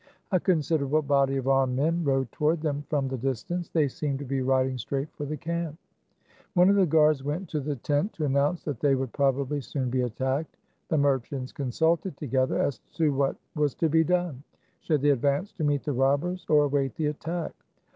A considerable body of armed men rode toward them from the distance. They seemed to be riding straight for the camp. One of the guards went to the tent to announce that they would probably soon be attacked. The merchants consulted together as to what was to be done ; should they advance to meet the robbers, or await the attack